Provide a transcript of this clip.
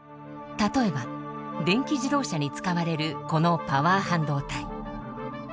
例えば電気自動車に使われるこのパワー半導体。